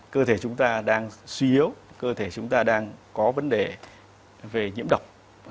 cơ thể chúng ta đang suy yếu cơ thể chúng ta đang có vấn đề về nhiễm độc